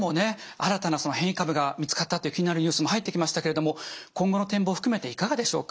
新たな変異株が見つかったっていう気になるニュースも入ってきましたけれども今後の展望含めていかがでしょうか？